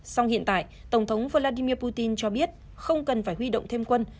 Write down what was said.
song hiện tại tổng thống vladimir putin cho biết không cần phải huy động thêm quân